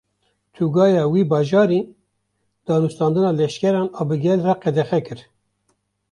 Tugaya wî bajarî, danûstandina leşkeran a bi gel re qedexe kir